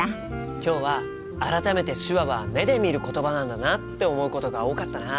今日は改めて手話は目で見る言葉なんだなって思うことが多かったな。